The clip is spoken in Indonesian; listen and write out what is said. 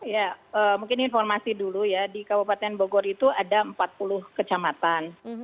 ya mungkin informasi dulu ya di kabupaten bogor itu ada empat puluh kecamatan